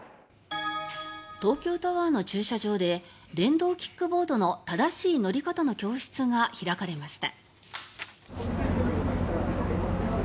東京タワーの駐車場で電動キックボードの正しい乗り方の教室が開かれました。